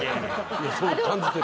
いやそう感じてる。